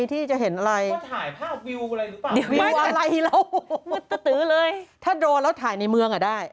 โดนทางกลางคืนนะ